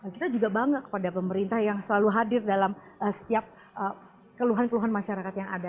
kita juga bangga kepada pemerintah yang selalu hadir dalam setiap keluhan keluhan masyarakat yang ada